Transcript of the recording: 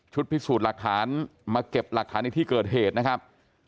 พิสูจน์หลักฐานมาเก็บหลักฐานในที่เกิดเหตุนะครับ